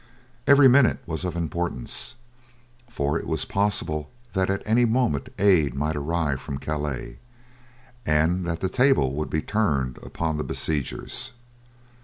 Every minute was of importance, for it was possible that at any moment aid might arrive from Calais, and that the table would be turned upon the besiegers.